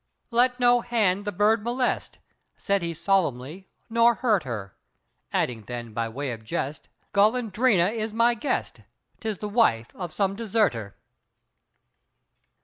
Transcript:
"Let no hand the bird molest," Said he solemnly, "nor hurt her!" Adding then, by way of jest, "Golondrina is my guest, 'Tis the wife of some deserter!"